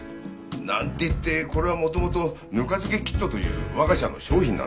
なんて言ってこれは元々「ぬか漬けキット」という我が社の商品なんですけどね。